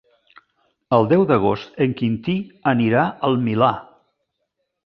El deu d'agost en Quintí anirà al Milà.